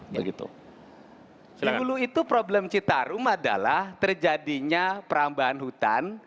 di hulu itu problem citarum adalah terjadinya perambahan hutan